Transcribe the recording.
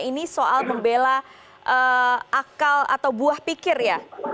ini soal membela akal atau buah pikir ya